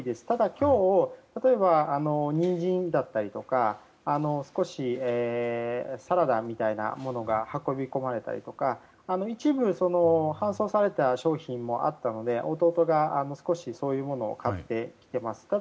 ただ今日例えばニンジンだったりとか少し、サラダみたいなものが運び込まれたりとか一部、搬送された商品もあったので、弟が少しそういうものを買ってきています。